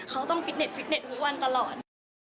เขาต้องฟิตเน็ตฟิตเน็ตทุกวันตลอด